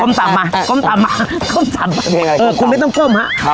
กล้มต่ำมากล้มต่ำมากล้มต่ำมาเออคุณไม่ต้องกล้มฮะครับ